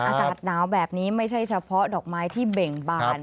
อากาศหนาวแบบนี้ไม่ใช่เฉพาะดอกไม้ที่เบ่งบาน